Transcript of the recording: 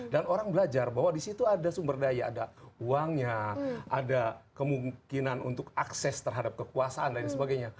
dan orang belajar bahwa disitu ada sumber daya ada uangnya ada kemungkinan untuk akses terhadap kekuasaan dan lain sebagainya